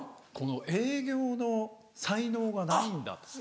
営業の才能がないんだと。